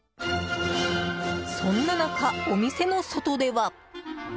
そんな中、お店の外では。